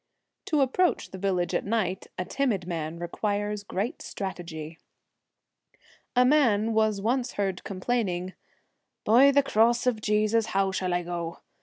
24 To approach the village at night a timid Village . Ghosts. man requires great strategy. A man was once heard complaining, ' By the cross of Jesus! how shall I go?